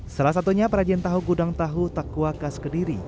salah satunya perajian tahu gudang tahu takwakas kediri